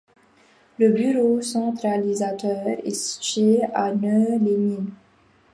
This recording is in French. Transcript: Le bureau centralisateur est situé à Nœux-les-Mines.